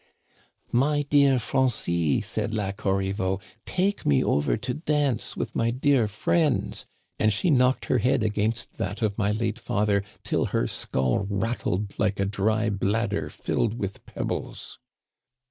My dear Francis,' said La Corn veau, ' take me over to dance with my dear friends ;' and she knocked her head against that of my late*father till her skull rat tled like a dry bladder filled with pebbles.